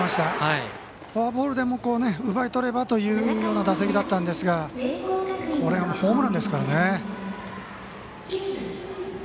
フォアボールで奪い取ればというような打席だったんですがホームランですから。